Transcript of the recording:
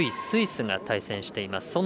スイスが対戦しています。